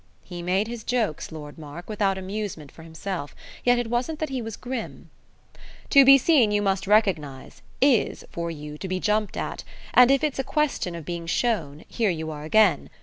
He made his jokes, Lord Mark, without amusement for himself; yet it wasn't that he was grim. "To be seen, you must recognise, IS, for you, to be jumped at; and, if it's a question of being shown, here you are again.